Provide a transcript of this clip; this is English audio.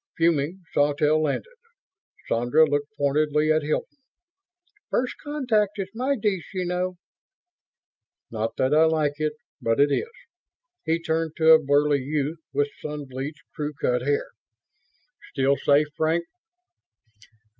Fuming, Sawtelle landed. Sandra looked pointedly at Hilton. "First contact is my dish, you know." "Not that I like it, but it is." He turned to a burly youth with sun bleached, crew cut hair, "Still safe, Frank?"